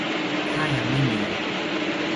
ถ้ายังไม่มี